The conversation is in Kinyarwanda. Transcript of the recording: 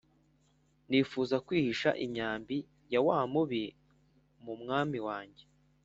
Nifuza kwihisha imyambi ya wamubi mu mwami wanjye